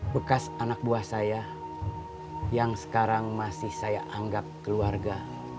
bekas anak buah saya yang sekarang masih saya anggap keluarga